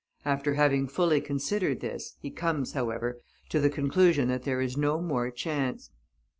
After having fully considered this, he comes, however, to the conclusion that there is no more chance.